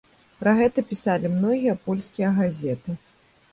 Пра гэта пісалі многія польскія газеты.